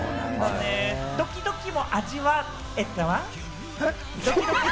ドキドキも味わえた？